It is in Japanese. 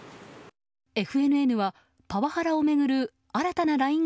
ＦＮＮはパワハラを巡る新たなＬＩＮＥ